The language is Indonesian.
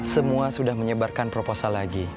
semua sudah menyebarkan proposal lagi